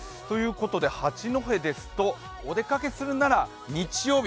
八戸ですと、お出かけするなら日曜日